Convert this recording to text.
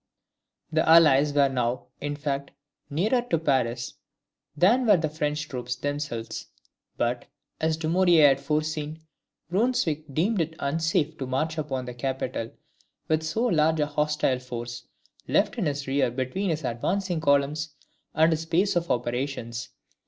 The Allies were now, in fact, nearer to Paris than were the French troops themselves; but, as Dumouriez had foreseen, Brunswick deemed it unsafe to march upon the capital with so large a hostile force left in his rear between his advancing columns and his base of operations.